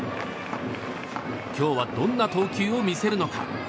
今日はどんな投球を見せるのか。